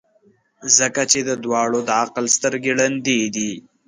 ځکه چي د دواړو د عقل سترګي ړندې دي.